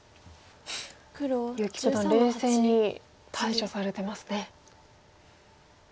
結城九段冷静に対処されてますね。